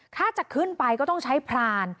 ถ้าจะขึ้นไปก็ต้องใช้พราน